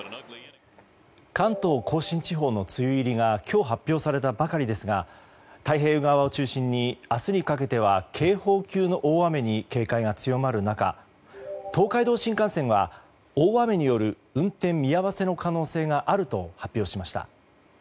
関東・甲信地方の梅雨入りが今日発表されたばかりですが太平洋側を中心に明日にかけては警報級の大雨に警戒が強まる中東海道新幹線は大雨による運転見合わせの可能性があると発表しました。